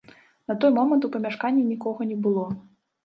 На той момант у памяшканні нікога не было.